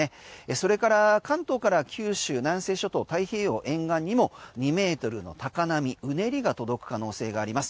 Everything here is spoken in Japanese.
それから、関東から九州南西諸島太平洋沿岸にも２ｍの高波うねりが届く可能性があります。